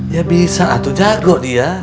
ya bisa atau jago dia